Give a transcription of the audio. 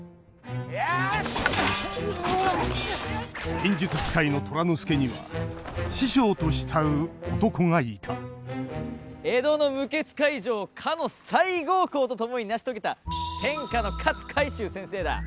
剣術使いの虎之助には師匠と慕う男がいた江戸の無血開城をかの西郷公と共に成し遂げた天下の勝海舟先生だ。